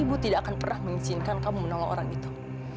ibu tidak akan pernah mengizinkan kamu menolong orang itu